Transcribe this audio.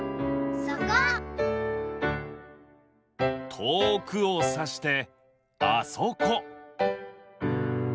とおくをさしてあそこ！